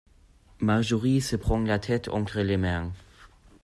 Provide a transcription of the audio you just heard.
Marjorie se prend la tête entre les mains.